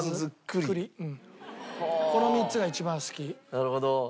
なるほど。